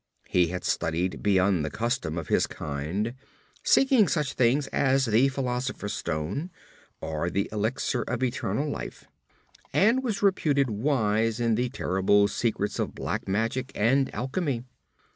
He had studied beyond the custom of his kind, seeking such things as the Philosopher's Stone, or the Elixir of Eternal Life, and was reputed wise in the terrible secrets of Black Magic and Alchemy.